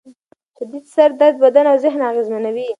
شدید سر درد بدن او ذهن اغېزمنوي.